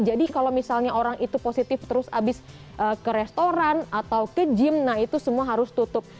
jadi kalau misalnya orang itu positif terus habis ke restoran atau ke gym nah itu semua harus tutup